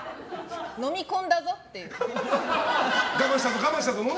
のみ込んだぞっていう。